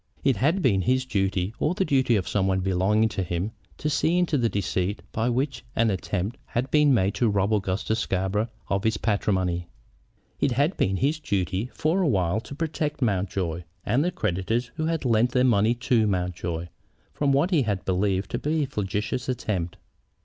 It had been his duty, or the duty of some one belonging to him, to see into the deceit by which an attempt had been made to rob Augustus Scarborough of his patrimony. It had been his duty, for a while, to protect Mountjoy, and the creditors who had lent their money to Mountjoy, from what he had believed to be a flagitious attempt.